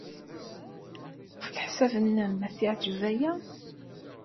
Ɣef leḥsab-nnem, ad t-yeɛjeb waya?